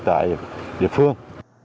tại địa phương